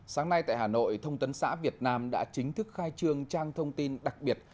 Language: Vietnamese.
sáng nay tại hà nội thông tấn xã việt nam đã chính thức khai trương trang thông tin đặc biệt